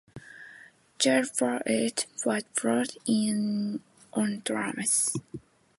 Joe Burwood was brought in on drums.